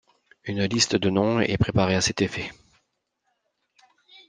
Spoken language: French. Une liste de noms est préparée à cet effet.